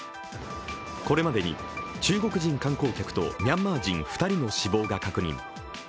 これまでに中国人観光客とミャンマー人２人の死亡が確認。